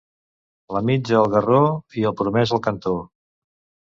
La mitja al garró i el promès al cantó.